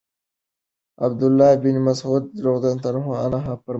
عَبْد الله بن مسعود رضی الله عنه فرمايي: